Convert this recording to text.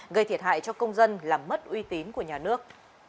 gây thiệt hại cho công dân làm mất uy tín của nhà nước